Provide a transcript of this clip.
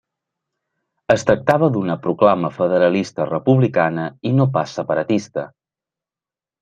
Es tractava d'una proclama federalista republicana, i no pas separatista.